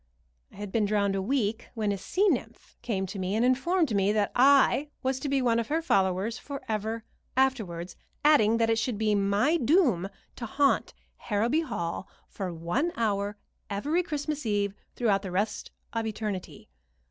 I had been drowned a week when a sea nymph came to me and informed me that I was to be one of her followers forever afterwards, adding that it should be my doom to haunt Harrowby Hall for one hour every Christmas Eve throughout the rest of eternity.